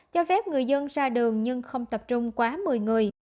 cho phép người dân ra đường nhưng không tập trung quá một mươi người